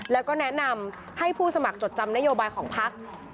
แล้วก็แนะนำให้ผู้สมัครจดจำนโยบายของพัก